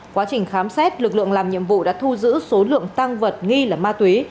quá trình khám xét lực lượng làm nhiệm vụ đã thu giữ số lượng tăng vật nghi là ma túy